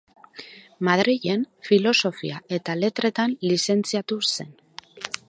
Madrilen, Filosofia eta Letretan lizentziatu zen.